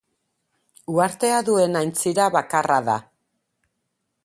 Uhartea duen aintzira bakarra da.